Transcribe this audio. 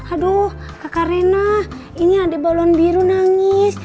aduh kakak rena ini ada balon biru nangis